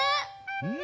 うん。